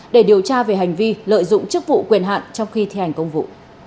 để điều tra về hành vi lợi dụng chức vụ quyền hạn trong khi thi hành công vụ